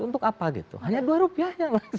untuk apa gitu hanya dua rupiahnya mas